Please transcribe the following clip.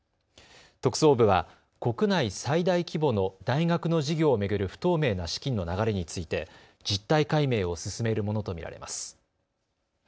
特捜部は国内最大規模の大学の事業を巡る不透明な資金の流れについて実態解明を進めるものと見られます。